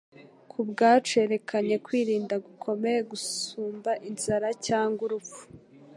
Ku bwacu yerekanye kwirinda gukomeye gusumba inzara cyangwa urupfu.